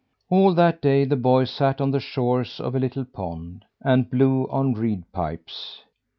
All that day the boy sat on the shores of a little pond, and blew on reed pipes.